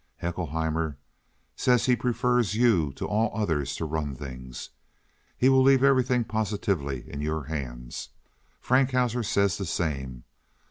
Haeckelheimer sess he prefers you to all utters to run t'ings. He vill leef everytink positifely in your hands. Frankhauser sess de same.